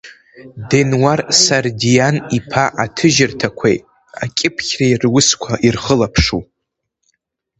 Денуар Сардианиԥа аҭыжьырҭақәеи акьыԥхьреи русқәа ирхылаԥшу.